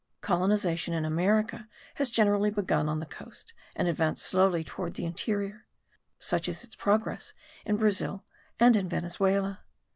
Colonization in America has generally begun on the coast, and advanced slowly towards the interior; such is its progress in Brazil and in Venezuela.